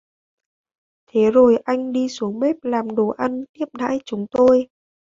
Thế rồi anh đi xuống bếp làm đồ ăn tiếp đãi chúng tôi